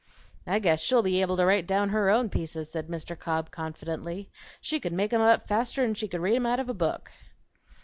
"I guess she'll be able to write down her own pieces," said Mr. Cobb confidently; "she could make 'em up faster 'n she could read 'em out of a book."